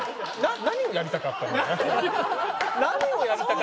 何をやりたかったのか？